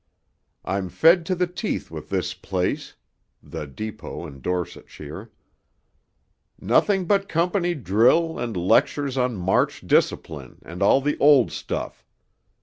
I'm fed to the teeth with this place_ (the Depot, in Dorsetshire); _nothing but company drill and lectures on march discipline, and all the old stuff.